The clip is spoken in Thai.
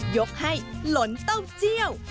ยกให้หลนเต้าเจี้ยว